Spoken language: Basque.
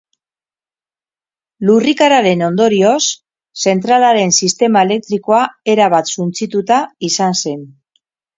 Lurrikararen ondorioz, zentralaren sistema elektrikoa erabat suntsituta izan zen.